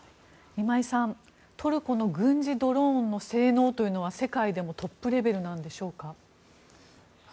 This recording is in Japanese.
今井さん、トルコの軍事ドローンの性能というのは世界でもトップレベルなんでしょうか？